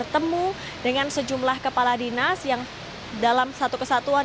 temu dengan sejumlah kepala dinas yang dalam satu kesatuan